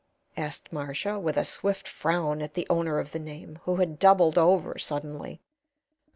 asked Marcia, with a swift frown at the owner of the name, who had doubled over suddenly.